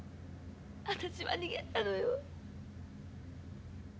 私は逃げたのよ。